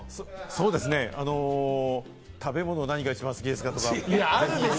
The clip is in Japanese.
そうですね、食べ物、何が一番好きかとか。